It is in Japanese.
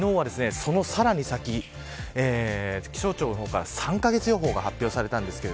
昨日はさらに先気象庁の方から３カ月予報が発表されたんです。